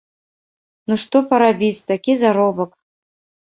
Ну што парабіць, такі заробак!